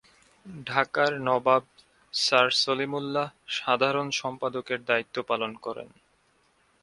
ঢাকার নবাব স্যার সলিমুল্লাহ সাধারণ সম্পাদকের দায়িত্ব পালন করেন।